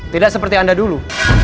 tidak seperti anda dulu